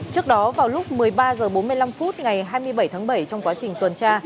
trước đó vào lúc một mươi ba h bốn mươi năm phút ngày hai mươi bảy tháng bảy trong quá trình tuần tra